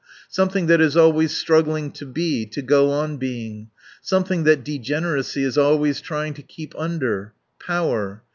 Something that is always struggling to be, to go on being. Something that degeneracy is always trying to keep under.... Power.